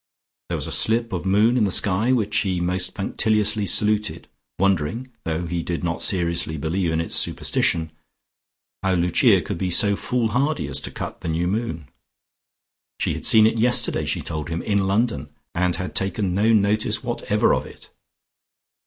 There was a slip of moon in the sky which he most punctiliously saluted, wondering (though he did not seriously believe in its superstition) how Lucia could be so foolhardy as to cut the new moon. She had seen it yesterday, she told him, in London, and had taken no notice whatever of it....